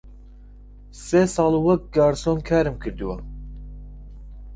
سێ ساڵ وەک گارسۆن کارم کردووە.